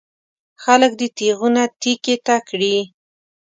خلک دې تېغونه تېکې ته کړي.